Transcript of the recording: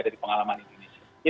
dari pengalaman indonesia